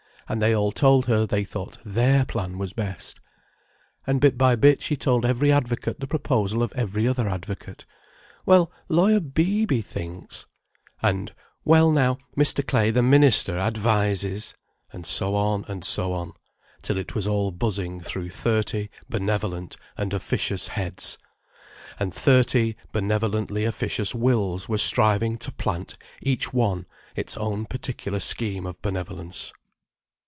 And they all told her they thought their plan was best. And bit by bit she told every advocate the proposal of every other advocate "Well, Lawyer Beeby thinks—" and "Well now, Mr. Clay, the minister, advises—" and so on and so on, till it was all buzzing through thirty benevolent and officious heads. And thirty benevolently officious wills were striving to plant each one its own particular scheme of benevolence.